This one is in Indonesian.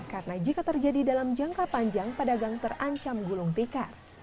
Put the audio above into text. karena jika terjadi dalam jangka panjang pada gang terancam gulung tikar